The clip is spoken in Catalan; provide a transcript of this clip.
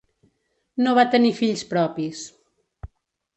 No va tenir fills propis.